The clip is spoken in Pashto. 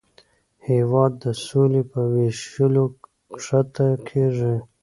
هېواد د سولې په ویشلو ښکته کېږي.